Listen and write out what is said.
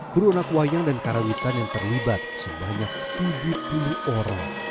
kru anak wayang dan karawitan yang terlibat sebanyak tujuh puluh orang